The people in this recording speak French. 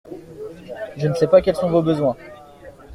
Je ne sais pas quels sont vos besoins